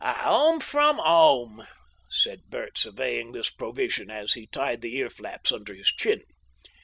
"A 'ome from 'ome," said Bert, surveying this provision as he tied the ear flaps under his chin.